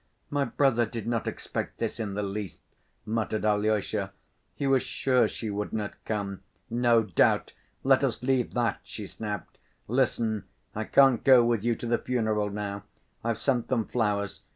"My brother did not expect this in the least," muttered Alyosha. "He was sure she would not come—" "No doubt. Let us leave that," she snapped. "Listen: I can't go with you to the funeral now. I've sent them flowers.